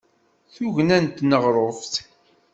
Tugna n tneɣruft.